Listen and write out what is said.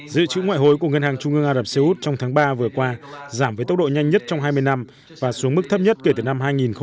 dự trữ ngoại hối của ngân hàng trung ương ả rập xê út trong tháng ba vừa qua giảm với tốc độ nhanh nhất trong hai mươi năm và xuống mức thấp nhất kể từ năm hai nghìn một mươi